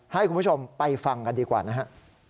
ให้คุณผู้ชมไปฟังกันดีกว่านะฮะ